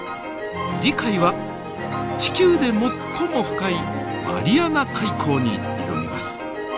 次回は地球で最も深いマリアナ海溝に挑みます。